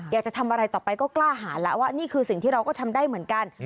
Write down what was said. อยากจะทำอะไรต่อไปก็กล้าหาแล้วว่านี่คือสิ่งที่เราก็ทำได้เหมือนกัน